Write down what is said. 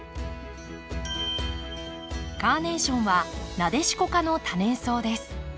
カーネーションはナデシコ科の多年草です。